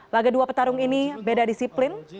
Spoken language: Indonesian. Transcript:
laga dua petarung ini beda disiplin